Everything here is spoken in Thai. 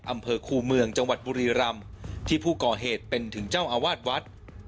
อำเภอคูเมืองจังหวัดบุรีรำที่ผู้ก่อเหตุเป็นถึงเจ้าอาวาสวัด